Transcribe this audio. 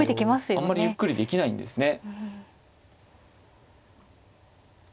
あんまりゆっくりできないんですね。